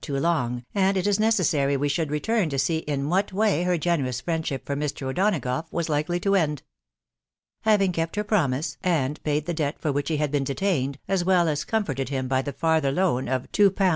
too long, and it is necessary we should return to see in what way her ge* nerous friendship for Mr. O'Donagough was4 likely to end. Having kept her promise, and paid the debt for which he had been detained, as well as comforted him by the farther loan of 2/. 10s.